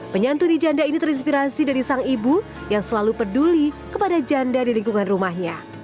penyantuni janda ini terinspirasi dari sang ibu yang selalu peduli kepada janda di lingkungan rumahnya